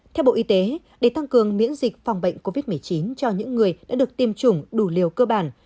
theo bộ y tế để tăng cường miễn dịch phòng bệnh covid một mươi chín cho những người đã được tiêm chủng đủ liều cơ bản